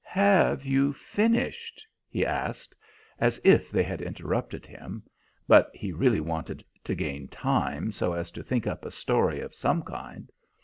"Have you finished?" he asked, as if they had interrupted him; but he really wanted to gain time, so as to think up a story of some kind.